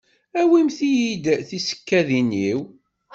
Awimt-yi-d tisekkadin-iw.